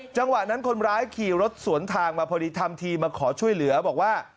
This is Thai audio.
จังหวะนั้นคนร้ายขี่รถสวนทางมาพอดีทำทีมาขอช่วยเหลือบอกว่า